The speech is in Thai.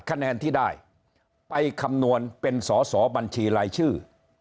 คะแนนที่ได้ไปคำนวณเป็นสอสอบัญชีรายชื่อ